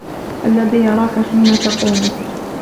الَّذِي يَرَاكَ حِينَ تَقُومُ